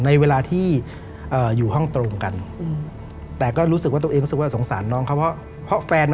ในเวลาที่อยู่ห้องตรงกัน